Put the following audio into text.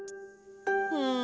うん。